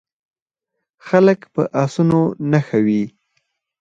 خلک په اسونو نښه وي.